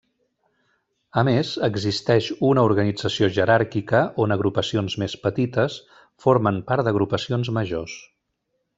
A més, existeix una organització jeràrquica on agrupacions més petites formen part d'agrupacions majors.